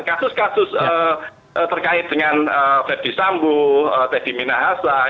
kasus kasus terkait dengan ferdisambu teh dimina haslah